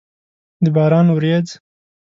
د باران ورېځ!